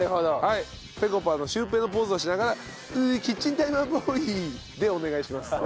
ぺこぱのシュウペイのポーズをしながら「んキッチンタイマーボーイ」でお願いしますと。